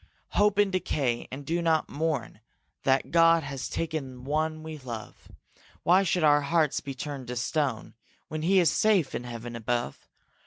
Hope in decay and do not moan That God has taken one we love: Why should our hearts be turned to stone When he is safe in heaven above?